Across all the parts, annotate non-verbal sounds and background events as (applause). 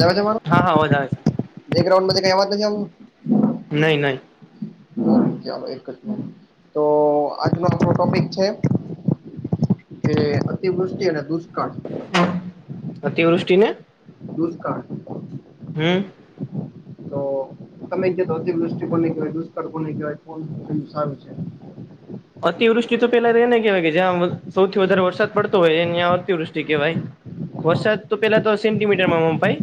જવા દેવાનો, હા હા અવાજ આવે છે બેકગ્રઉન્ડ કઈ અવાજ નહી નહી. એક જ નહી (unintelligible) તો આજનો આપરો ટોપિક છે કે અતિવૃષ્ટિ અને દુ કાળ. અતિવૃષ્ટિને દુષ્કાળ હમ્મ (inaudible) તો તમે તો અતિવૃષ્ટી કોને કેવાય દુષ્કળ કને કહેવાય (unintelligible) સારું છે અતિવૃષ્ટિ તો પેલા એને કહેવાય કે જ્યાં સૌથી વધારે વરસાદ પડતો હોય એને અતિવૃષ્ટિ કેવાય. હા વરસાદ તો પેલા તો સેન્ટીમીટર માં મપાઈ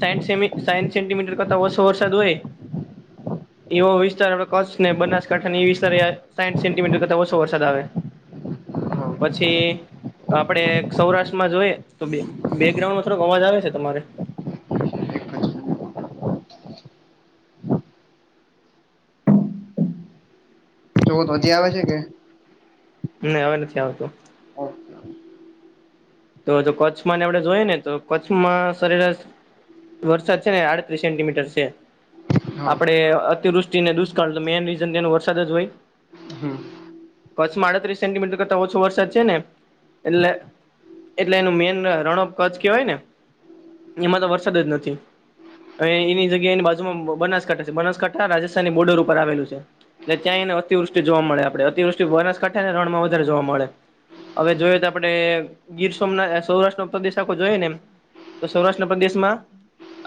સાઠ સેમી સેન્ટીમીટર કરતા ઓછો વરસાદ હોય એવો વિસ્તાર આપડ કચ્છ ને બનાસકાંઠા એ વિ સાઈઠ સેન્ટીમીટર કરતા ઓછો વરસાદ આવે હા પછી આપડે સૌરાષ્ટ્રમાં જોઈએ તો બેકગ્રાઉન્ડમાં થોડોક અવાજ આવે છે તમારે જો તો હજી આવે છે કે નહી હવે નથી આવતું ઓકે તો જો કચ્છમાંને આપડણે જોઈએ ને તો કચ્છમાં સરેરાસ વરસાદ છે ને આડત્રીસ સેન્ટીમીટર છે હા આપડે અતિવૃષ્ટિને દુષ્કાળ તો મેન રીઝન તેનો વરસાદ જ હોય હમ કચ્છમાં અડત્રીસ સેન્ટીમીટર કરતા ઓછો વરસાદ છે ને એટલે. એટલે એનું મેન રણઅપ કચ્ચ કેવાય ને એમાં તો વરસાદ જ નથી. અ એની જગ્યા એની બાજુમાં બનાસકાંઠા છે બનાસકાંઠા રાજસ્થાનની બોર્ડર ઉપર આવેલું છે. એટલે ત્યાંય ને અતિવૃષ્ટ જોવા મળે આપડે અતિવૃષ્ટિ બનાસકાંઠા ને રણમાં વધારે જોવા મળે. હવે જોયએ તો આપણે. ગીર સોમના સૌરાષ્ટ્ર નો પ્રદેશ આખો જોઈએ ને એમ તો સૌરાષ્ટ્રના પ્રદેશ માં.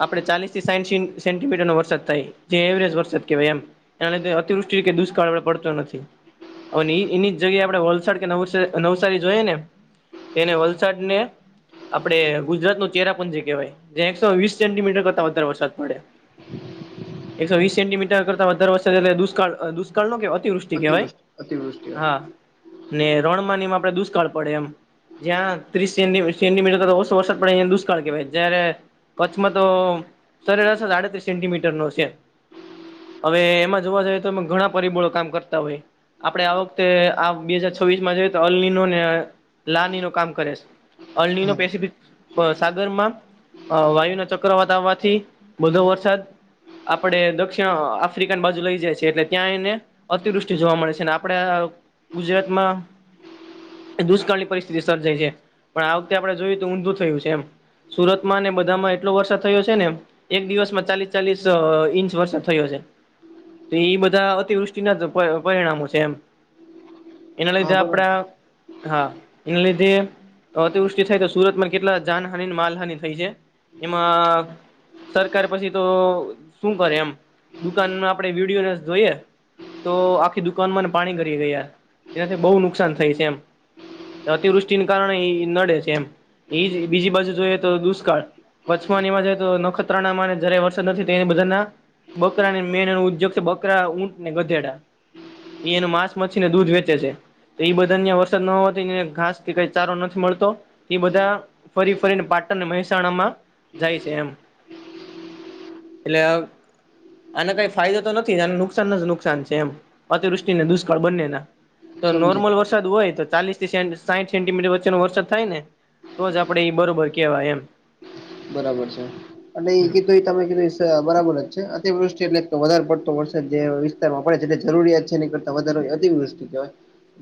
આપડણે ચાલીસ થી સા સેન્ટીમીટરો વરસાદ થાય જે એવરેજ વરસાદ કહેવાય એમ. એને તે અતિવૃષ્ટ કે દુષ્કાળ હવે પડતો નથી. અને એ એની જગ્યા આપડે વલસાડ કે નવ નવસારી જોઈએ ને. તેને વલસાડ ને આપડે ગુજરાત નું ચરા પુંજી કહેવાય. જે્યાં એકસો વીસ સેન્ટીમીટર કરતાં વધારે વરસાદ પડે. એકસો વીસ સેીમીટર કરતા વધારે વરસાદ એટલે દષ્ળ દુષ્કાળ નો કહેવાય અતિવૃષ્ટિ કેવાય અતિવૃષ્ટિ આવે. હા ને રણમાનીમાં આપડે દુષ્કાળ પડે એમ. જ્યાં ત્રીસ સે સેન્ટીમીટર ઓસો વરસાદ પડે દુષ્કાળ કહેવાય જયારે કચ્છમાં તો સરેરા છે આડત્રીસ સેન્ટીમીટર નો છે. હવે એમાં જોવા જઈએ તોમે ઘણા પરિબળો કામ કરતા હોય. આપડે આ વખતે આ બે હાજાર છવવીસ માં જોઈએ તો અલની નો ને લાની ન. કામ કરે છે અર્નો હા પેસફિક સાગરમાં. અ વાયુ નો ચક્ર વધાવાતી બધો વરસાદ. આપડે દક્ષિણ આફ્રિકાની બાજુ લઈ જાય છેએ એટલે ત્યાં એને. અતિવૃષ્ટિ જોવા મળે છે અને આપડા ગુજરાતમાં દુષ્કાળની પરિસ્થિત. સર્જાય છે પણ આ વખતે આપણે જોયું તો ઊંધું થયું છે એમ. સુરતમાં ને બધામાં એટલો વરસાદ થયો છે ને. એક દિવસમાં ચાલીસ ચાલીસ ઇંચ વરસાદ થયો છે. તો એ બધા અતિવૃષ્ટિના જ પરિણામો છે એમ. એના હા લેધે આપણા બરાબર હા. એના લીધે અતિવૃષ્ટિ થાય તો સુરત માં કેટલા જાનહાની માલહાની થઈ છે. એમાં. સરકાર પછી તો શું કરે એમ દુકાન મા આપડે વિડીયોને જોઈએ. તો આખી દુકાન માં પાણી ગરી ગયા એનાથી બહુ નુકસાન થાય છે એમ. અતિવૃષ્ટિને કારણે એ નડે છે એમ એ બીજી બાજુ જોઈએ તો દુષ્કાળ. કચ્છ એમાં જાય તો નખત્રા ના જયારે વરસાદ નથી તે એની બધા ના. બકરા ને મેન નો ઉદ્યોગ છે બકરા ઊંટને ગધેડા. એ એનું માંસ મછી ને દૂધ વેચે છે તો એ બધા અહં વરસાદ ન હોથી ને. ઘાસ થી કઈ ચારો નથી મળતો એ બધા ફરી ફરીને પાટણ મહેસાણા માં. જાય છે એમ એટલે. આને કઈ ફાયદો તો નથી આને નુકસાન ન જ નુકસાન છે એમ અતિવૃષ્ટિને દુષ્કાળ બંને ના. તો સમજી નોર્મલ ગયો વરસાદ હોય તો ચાલીસ થી સે. સાઈઠ સેન્ટીમીટર વચ્ચેનો વરસાદ થાય ને તો જ આપડણે એ બરોબર કેહેવાય એમ. બરાબર છે અને એ કીધું એ તમે કીધું. બરાબર જ છે અતિવૃષ્ટિ એટલે વધારે પડતો વરસાદ જે વિસ્તારમાં પડે છે જરૂરિયાત છે એની. વધારો તે વૃસ્તુ કેવાય.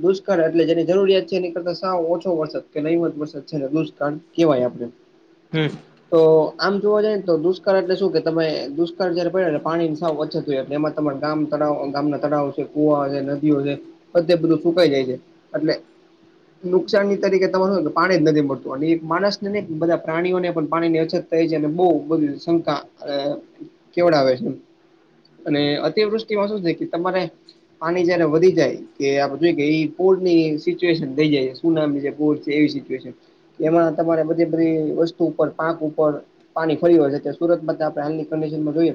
દુષ્કાળ એટલે જેની જરૂરિયાત છે એની કરતા સાવ ઓછો વરસાદ કે નહી હોયે વરસાદ છેને દુષ્કાળ કહેવાય આપણે. હમ્મ તો આમ જોવા જાય ને તો દુષ્કળ એટલે શું કે તમે દુષ્કળ જયારે પડેને પાણીની સાવ ઓચછત થય જય તેએમાં. તમા ગામ તાવ ગામના તળાવ છે કુવા છે નદીઓ છે. બધે બધું સુકાઈ જાય છે એટલે. નુકસાાનની તરીકે તને શું પાણી જ નથી મળતું અને એક માણસ ને ને બધા પ્રાણીઓને પણ. પાણી ની અછત થાય છે અને બહ બધી શંકા કેવડાવે છે. અને અતિવૃષ્ટિમાં શું છે કે તમારે પાણી જયારે વધી જાય કે આપ જોઈ કે એ પોર ની સિચ્યુએશન થઈ જાય (unintelligible) છે એવી સિચ્યુએશન એમાં તમારે બધી બધી વસ્તુ પર પાક ઉપર પાણી ફરી હોય છે સુરત માં આપણે હાલની કંડિશનમાં જોઈએ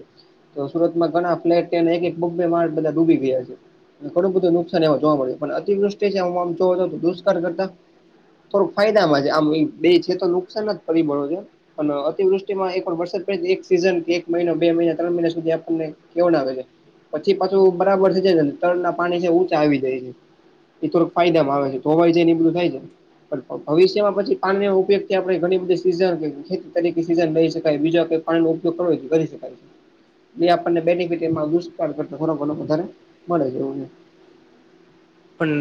તો સુરતમાં ઘણા ફ્લેટ અને એક એક બેબે માડ બધા ડૂબી ગયા છે ઘણું બધું નુકસાન એ જોવા મળ્યું પણ અતિવૃષ્ટ છે હું આમ જો દુષ્ળ કરતા થોડુંક ફાયદામાં છે આમ બે છે તો નુકસાન જ પરિબળો છે અને અતિવૃષ્ટિમાં એક પણર વરસાદ પડ એક સિઝન કે એક મહિનો બે મહિના ત્રણ મહિના સુધી આ પૂર રે કેવું નાાગે છે પછી પાછું બરાબર થ જ તળ ના પાણી છે ઊંચા આવી જાય છે એ થોડક ફાયદામાં આવે છે તો હોવાય છે એને એ બધું થાય છે પણ ભવિષ્યમાં પછી પાન ન ઉપયોગથી આપણે ઘણી બધી સીઝન ખેતી તરીકે સીઝન લહી શકાય બીજા કઈ પાણી નો ઉપયોગ કરવો કરી શકાય એ આપણને બેનિફિટ એ દુષકાળ કરતા વધારે મળે એવુ છે પણ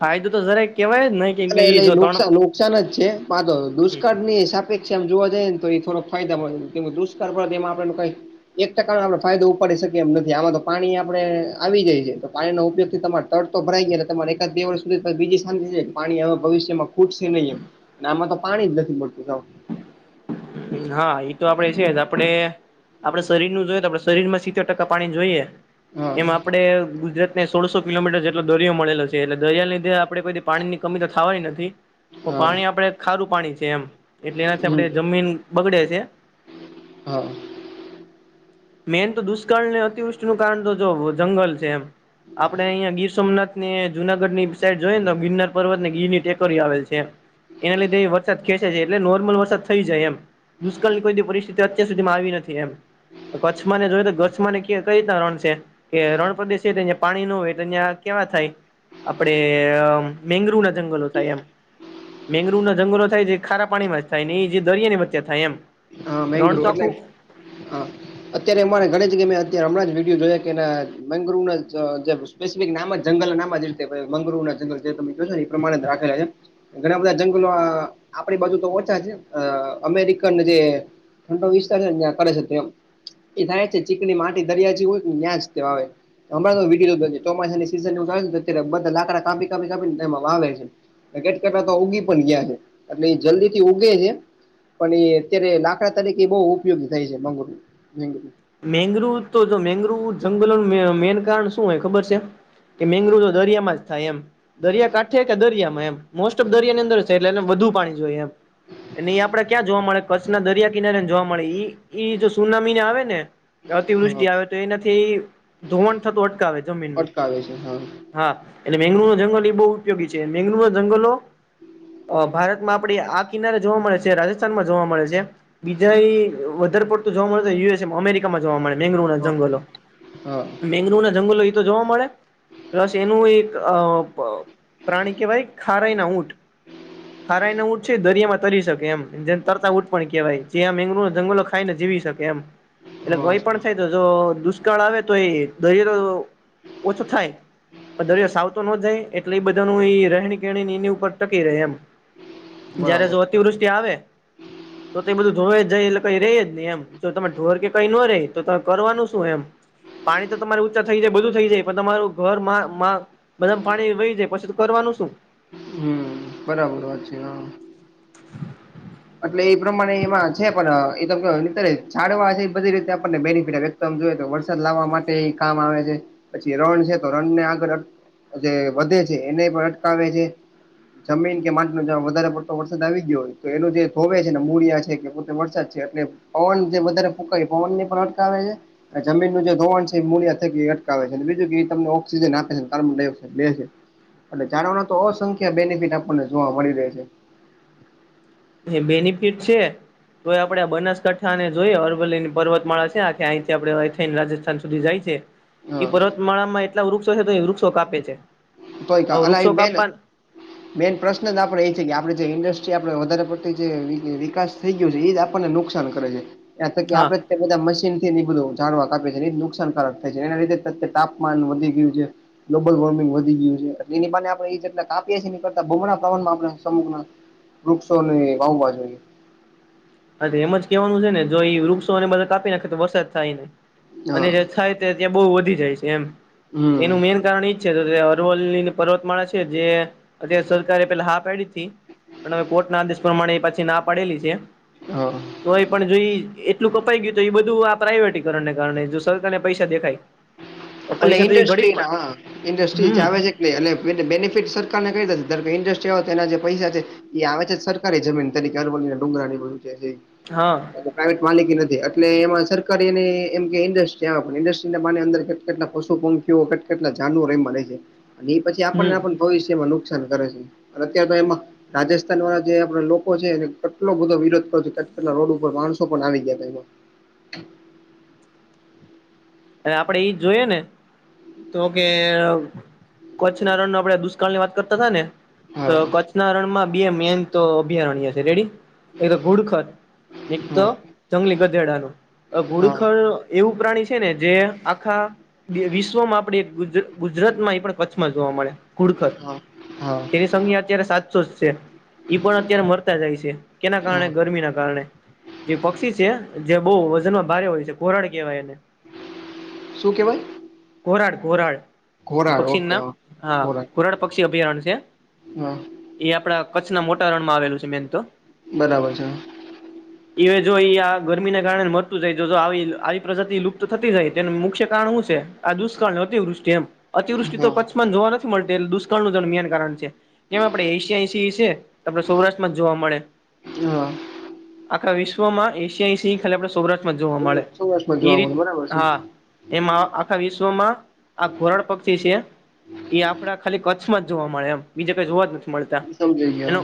ફાયદો તો જરા કેવાય નહી કેમ કે અને એલેઈ જો નુક ત્રણ નુકસાન જ છે વા તો દુષ્કાર્ળ ની હિસાબ અપેક્ષમ જોવા જઈાય ને તો એ થો ફાયદ મા પર દુષ્કાળ તે આપડને કઈ એક ટકાનો આપણે ફાયદો ઉપાડી શકીએ એમ નથી આમાં તો પાણી આપડણે આવી જાય છે તો પાણીનો ઉપયોગ થી તમારે તડ તો ભરાઈ ગયા તમારે એક જ બેર્ષ સુધી બીજી શાંતિ પાણી હવે ભવિષ્યમાં ખૂટશે નહી એમ આમાં તો પાણી જ નથી મળતું હા એ તો આપડે છે જ આપડે આપડે શરીર નું જોયએ તો આપડ શરીરમાં સિત્તેર ટકા પાણી જોઈએ હા એમા આપણે ગુજરાતને સોળસો કિલોમીટર જેટલો દરિયો મળેલો છે એટલે દરિયાની લીધે આપણે પછી પાણી ની કમી તો થવાની નથી તો હા પાણી આપડ ખારું પાણી છે એમ એટલે એનાથી હમ આપણે જમીન બગડે છે હા મેન તો દુષ્કાળને અતિવૃષ્ટિનું કારણ તો જો જંગલ છે એમ આપડે અહિયા ગીર સોમનાથ ને જુનાગઢ ની સાઈડ જોઈ ને તો ગિરનાર પર્વત ને ગીર ની ટેકોરી આવેલ છે એમ એના લીધે એ વરસાદ ખેંચ છે એટલે નોર્મલ વરસાદ થઈ જાય એમ દુષ્કાળની કોઈ દી પરિસ્થિતિ અત્યાર સુધીમાં આવી નથી એમ કચ્છમાંને જોય તો કચ્છમાંને ક કઈ રી રણ છે કે રણ પ્રદેશ પાણી નું (unintelligible) કેવા થાય આપડે મેગ્રુ નથી જંગલો થાય એમ મેગ્રુવ ના જંગલો થાય જે ખારા પાણીમાં જ થાય ને એ જે દરિયા ની થાય એમ હા મેગ્રુ એટલે હા અત્યારે અરે ગણી કે મેં અત હમણાં જ વિડીયો જોયા કેના મેંગ્રુ (unintelligible) જે સ્પેસિફિક નામ જંગલ નામ જ રતે મંગરુ ના જંગલ જે તમે જો છો એ પ્રમાણે જ રાખેલા છે. ઘણા બધા જંગલો આપણી બાજુ તો ઓછા છે અમેરિકા જે ઠંડો વિસ્તાર છેને ત્યાં કરે છે તેમ એ થાય છે ચીકની માટી દરિયા જે હોય કે ન્યાંજ તેવા આવે હમણા તો વિડી ધ ચોમાસાની સીઝન ને અત્યારે બધા લાકડા કાપી કાપી કાપી ને એમાં વાવે છે. કેટકટાતા ઉગી પણ ગયા છે એટલે એ જલ્દી થી ઉગે છે પણ એ અત્યારે લાકડા તરીકે એ બહુ ઉપયોગી થાય છે બંગરું ભડું મેગ્રુવ તો જો મેગ્રુવ જંગલોનું મેન કારણ શું હોય ખબર છે. કે મેંગ્રુ તો દરિયામાં જ થાય એમ દરિયા કાંઠે કે દરિયામાં એમ મોસ્ટ ઓફ દરિયા ની અંદર છે એટલે એને વધુ પાણી જોયએ એમ હી એ આપડે ક્યાં જોવા મળે કચ્છના દરિયા કિનારેને જોવા મળે ઈ ઈ જો સુનામીને આવે ને અતિવૃષ્ટિ હા આવે તો એનાથી ધોવાણ થતું અટકાવે જમીનનું અટકાવે છે હા હા એટલે મેગ્રુ નો જંગલ એ બહુ ઉપયોગી છે મેગ્રુો ન જંગલો અ ભારતમાં આપણે આ કિનારે જોવા મળે છે રાજસ્થાનમાં જોવા મળે છે. બીજા એ વધારે પડતો જોવા મળે યુએસમ અમેરિકા જોવા મળે મેગ્રુવ ના હા જંગલો હા મેગ્રુવ ના જંગલો એ તો જોવા મળે. પ્લસ એનું એક અ પ્રાણી કેહેવાય ખારાઈ ના ઊંટ હ. ખારાઈ ના ઊંટ છે દરિયામાં તરી શકે એમ જેમ તરતા ઊટ પણ કહેવાય જે મેગ્રુ જંગલો ખાઈ ને જીવી શકે એમ એટલે હા ગય પણ થાય તો જો દુષ્કાળ આવે તો એ દરિયો ઓછો થાય. દરિયા સાવતો ન જાય એટલે બધા નુ રહેણી કેણી એની ઉપર ટકી રહેે એમ જયારે બરાબર જો અતિવૃષ્ટિ આવે તો તે એ બધું ધોવે જાય એટલે કઈ રહી જ નહી એમ જો તમે ઢોર કે કઈ નો રે તો કરવાનું શું એમ પાણી તો તમારે ઊંચા થઈ જાય બધું થઈ જાય પણ તમારું ઘર માં માં બધા પાણી વહી જાય પછી તો કરવાનું શું હમ બરાબર વાત છે હ એટલે એ પ્રમાણે એમાં છે પણ એ ત કે ની ચડવા છે બધી રીતે આપણને બેનિફિટ આવે. ઉમ જો તો વરસાદ લાવવા માટે એ કામ આવે છે પછી રણ છે તો રણ ને આગળ જે વધે છે એને પણ અટકાવે છે. જમીન કે માટી ન વધારે પડતો વરસાદ આવી ગયો હોય તો એનો જે ભોવે છે ને મૂરિયા છે કે પોતે વરસાદ છે એટલે પવન જે વધારે ફૂંકાય પવન ને પણ અટકાવે છે. જમીનનું જે ધોવાણ છે એ મૂળિયા થકી એ અટકાવે છે બીજું કે તમને ઓક્સિજન આપે છે કાર્બન ડાયક્સાઇડ બે છે. એટ જાણવાના તો અસંખ્ય બેનિફિટ આપણને જોવા મળી રહે છે. એ બેનિફિટ છે. તોય આપડે બનાસકાંઠા ને જોઈએ અરવલ્લી ની પર્વતમાળા છે આ કેે અહીંથી આપડે રાજસ્થાન સુધી જાય છે એ હ પર્વતમાળામાં એટલા વૃક્ષો છે તો એ વૃક્ષો કાપે છે. તોય ક હવે અલા એ વૃક્ષો મેન કાપવા મેઈન પ્રશ્ન જ આપણે એ છે કે આપણે જે ઇન્ડસ્ટ્રી આપણે વધારે પડતી જે વિકાસ થઈ ગયો છે એ જ આપણે આપણને નુકસાન કરે છે એયાં થકી હા આપણે. બધા મશીન થી એ બધું જાડવા કપે છે એ નુકસાનકારક થાય છે એના લીધત્ય તાપમાન વધી ગયું છે. ગ્લોબલ વોર્મિંગ ગયું એ એની આપણે જેલા કાપી એ કરતા ભમ પ્રમાણમાં આપણે સમુ વૃક્ષો ને ભાવભાજી. હા એમ જ કેહેવાનું છે ને જો એ વૃક્ષોને બધા કાપી નાખે તો વરસાદ થાય નહી અને હા જે થાય ત્યાં બહુ વધી જાય છે એમ હમ તેનું મેન કારણ એ અરવલ્લી ની પર્વતમાળા છે જે અત્યારે સરકારે પેલા હા પડીથી પણ હવે કોર્ટ ના આદેશ પ્રમાણે પછી ના પડેલી છે. હા. તો હોય પણ જો એટલું કપાઈ ગયું તો એ બધું આ પ્રાઈઇવેટીકરણને કારણે જો સરકાર ને પૈસા દેખાય. તો અ પૈસા તો એ ન્ડસ્ટ્રી ઘડીક ના ન્સ્ટ્રી જ હમ આવે છે. નહી અને એ બેનિફિટ સરકારને કરી દે ધાર કે ઇન્ડસ્ટ્રી આવે તો એના જે પૈસા છે. એ આવે છે સરકારી જમીન તરીકેર બનીને ડુંગરા ની બધું છે. હા. પ્રાઇવેટ માલિકી નથી એટલે એમાં સરકારી અને એમ કે ઇન્ડસ્ટ્રી પણ ઇન્ડસ્ટ્રી અંદર કેટલા પશુ પંખીઓ કેટ કેટલા જાનુવરો એમાં રહે છે અને એ પછી આપણને હમ ભવિષ્યમાં નુકસાન કરે છે અને અત્યારેાર તો એમાં રાજસ્થાન વાળા જે આપડે લોકો છે એને કેટલો બધો વિરોધ કરો છ કે કેટલા રોડ ઉપર માણસો પણ આવી ગયા એમાં અને આપડે એઈ જોયએ ને તો કે કચ્છના રન આપણે દુષ્કાળ ની વાત કરતા હતા ને તો હા કચ્છના રણમાં બે મેન તો અભયારણ્ય છે રેડી એક તો ઘુડખર એક તો હા જંગલી ગધેડાનું હા ઘુડખડ એવું પ્રાણી છે ને જે આખા વિશ્વમાં આપણે ગુજરાત માં પણ જોવા મળેુડ હા તેની સંખ્યા અત્યારે સાતસો છે. ઈ પણ અત્યારે મરતા જાય છે કેના હા કારણે હા ગરમી ના કારણે જે પક્ષી છે. જે બહુ વજનમાં ભારે હોય છે કોરાડ કેહેવાય એને શું કેવાય. કોરાડ કોરાડ એ ઘોરાડ પક્ષીનું ઓકે નામ હા ઘોરાડ કુરાડ પક્ષી અભયારણ છે. હા એ આપડા કચ્છના મોટા રણમાં આવેલું છે મેઈન તો બરાબર છે. એવે જો એ આ ગરમીને કારણે મળરતું જાય જો જો આવી આવી પ્રજાતિ લુપ્ત થતી જાય તેનું મુખ્ય કારણ શું છે આ દુષ્કળ અતિવૃષ્ટિ એમ અતિવૃષ્ટિ તો હા કચ્છ જોવા નથી મળતું દુષ્કાળ નું મેન કારણ છે એમ આપણે એશિયા એશ છે આપડણે સૌરાષ્ટ્ર માં જ જોવા મળે હા. આખા વિશ્વમાં એશિયા સિંહ ખાલી આપણા સૌરાષ્ટ્રમાં જોવા મળે સૌરાષ્ટ્રમાં એ જોવા મળે રીત બરાબર છે હા એમાં આખા વિશ્વમાં આ ઘોરડ પક્ષી છે. એ આપડા ખાલી કચ્છમાં જ જોવા મળે એમ બીજા કઈ જોવા જ નથી મળતા સમજાઈ એનો ગયો.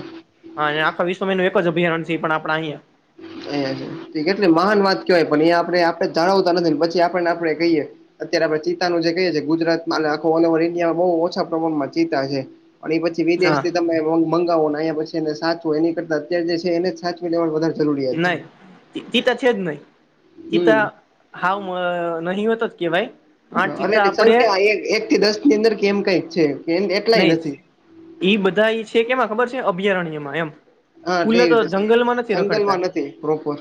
હા આખા વિશ્વમાં એનું એક જ અભયારણ્ય છે પણ આપણે અહીંયા એ કેટલી મહાન વાત કેવાય પણ એ આપે આપડે જણાવતા નથી ને પછી આપડે ને આપડે કહીએ અત્યારે આપણે ચીતાનું જે કઈએ છીએ ગુજરાતમાં આખ ઓલ ઓવર ઇન્ડિયામાં બહુ ઓછા પ્રમાણમાં ચિત્તા છે. અને એ પછી વિદેશ હા થી તમે મંગાવોં પછી એ સાચવો એની કરતા અત્યારે જે છે એને સાચવી લેવુ વધારે જરૂરિયાત નહીં છે એ તો છે જ નહી તે હમ તો સાવ નહીવત જ કેવાય. આ અને ચિતા એની આપડે સંખ્યા એક થી દસ ની અંદર કેમ કઈક છે એટલાય નથી એ બધા એ છે કેમાં ખબર છે અભયારણ્યમાં એમ હા ક ખુલ્લે તો રીતે જંગલમાં નથી સા રખડતા જંગલમાં નથી પ્રોપર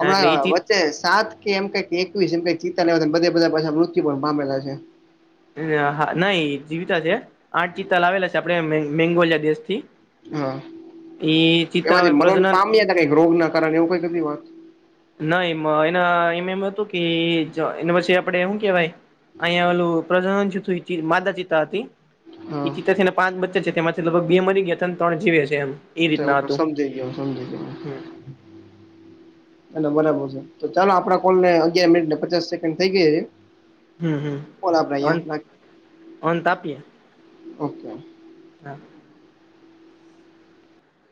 હા એટલે એ ચી હમણાં સાત કે એમ ક એકવીસ એમ ચીતા બધ બધા પાછા મૃત્યુ પણ પામેલા છે. હા નહી જીવતા છે આઠ ચિત્તા લાવેલા છે આપડે મેંગોલિયા દેશ થી હા એમાંથી મરણ પ્રજનન પામ્યા હતા કઈક રોગ ના કારણે એવું કઈક વાત ના એ એના એમ એમ હતું કે એને પછી આપડે શું કેવાય? અહીંયા ઓલું પ્રજન છું માદા ચિતા હતી એ હા ચિત છે ને પાચ બચ્ચે છે તેમાંથી લગભગ બે મરી ગયા હતા અને ત્રણ જીવે છે એમ એ તે એવું રીતના હતું કસમ થઈ ગયો (unintelligible) હમ એ બરાબર છે તો ચાલો આપડા કોલ ને અગિયાર મિનિટને પચાસ સેકન્ડ થઇ ગયા છે હમ હમ કોલ આપણે અંત અહીંયા નાખીએ અંત આપીએ. ઓકે. હ.